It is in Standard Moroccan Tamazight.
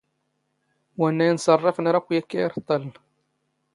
ⵡⴰⵏⵏⴰ ⵉⵏⵚⴰⵕⵕⴰⴼⵏ ⴰⵔ ⴰⴽⴽⵯ ⵢⴰⴽⴽⴰ ⵉⵕⵟⵟⴰⵍⵏ.